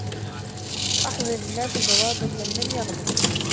أحضر الناس جوابا من لم يغضب